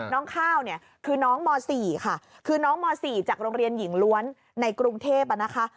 ข้าวเนี่ยคือน้องม๔ค่ะคือน้องม๔จากโรงเรียนหญิงล้วนในกรุงเทพนะคะ